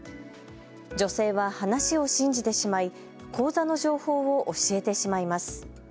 女性は話を信じてしまい口座の情報を教えてしまいます。